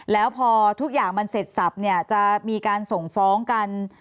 แล้วพอทุกอย่างมันเสร็จสับเนี่ยจะมีการส่งฟ้องกัน